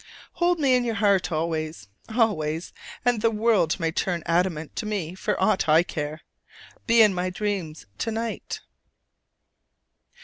Hold me in your heart always, always; and the world may turn adamant to me for aught I care! Be in my dreams to night!